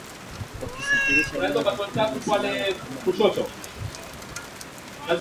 wakisafirisha dawa za kulevya silaha ukahaba na mengine mengi